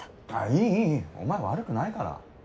いいいいお前悪くないから。